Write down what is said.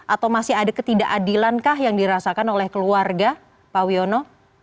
atau masih ada ketidakadilankah yang dirasakan oleh keluarga pak wiono